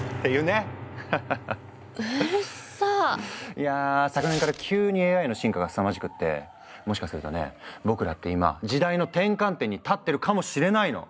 いや昨年から急にＡＩの進化がすさまじくってもしかするとね僕らって今時代の転換点に立ってるかもしれないの。